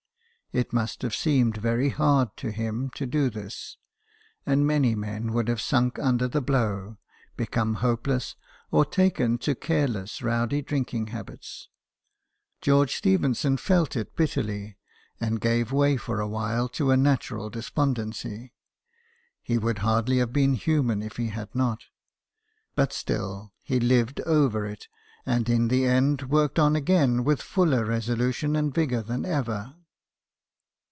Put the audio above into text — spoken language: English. It must have seemed very hard to him to do this, and many men would have sunk under the blow, become hopeless, or taken to careless rowdy drinking habits. George Stephenson felt it bitterly, and gave way for a while to a natural despondency ; he would hardly have been human if he had not ; but still, he lived over it, and in the end worked on again with fuller resolution and vigour than ever.